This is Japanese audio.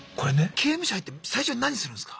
刑務所入って最初に何するんすか？